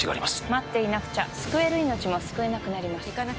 待っていなくちゃ救える命も救えなくなります。